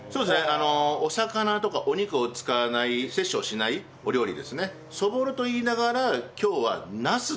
あのお魚とかお肉を使わない殺生しないお料理ですね。